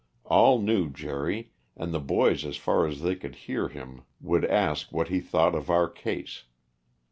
All knew Jerry, and the boys as far as they could hear him would ask what he thought of our case.